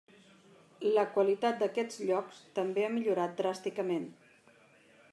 La qualitat d’aquests llocs també ha millorat dràsticament.